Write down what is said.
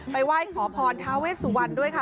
ไหว้ขอพรทาเวสุวรรณด้วยค่ะ